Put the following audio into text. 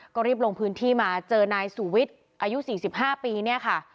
ก็รีบลงพื้นที่มาเจอนายสุวิทย์อายุ๔๕ปีเนี่ยค่ะ